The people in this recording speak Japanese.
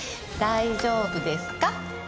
大丈夫ですか？